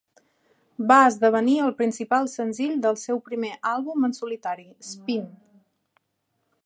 Va esdevenir el principal senzill del seu primer àlbum en solitari, "Spin".